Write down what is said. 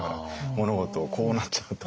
物事をこうなっちゃった。